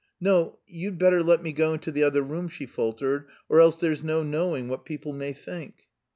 "No, you'd better let me go into the other room," she faltered, "or else there's no knowing what people may think...."